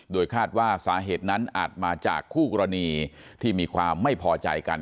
โดยคาดว่าสาเหตุนั้นอาจมาจากคู่กรณีที่มีความไม่พอใจกัน